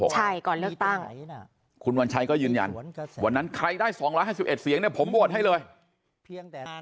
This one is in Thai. ใช่ก่อนเลือกตั้งคุณวัญชัยก็ยืนยันวันนั้นใครได้๒๕๑เสียงเนี่ยผมโหวตให้เลยเพียงแต่